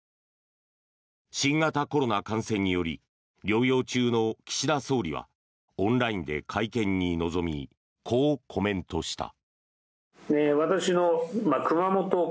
新型コロナ感染により療養中の岸田総理はオンラインで会見に臨みこうコメントした。